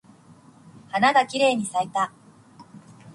花がきれいに咲いた。